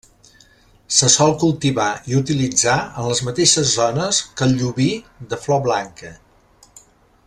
Se sol cultivar i utilitzar en les mateixes zones que el llobí de flor blanca.